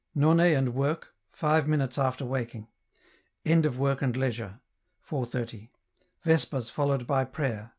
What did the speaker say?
None and work, five minutes after waking. End of work and leisure. 4.30. Vespers followed by prayer.